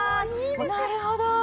なるほど！